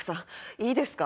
いいですか？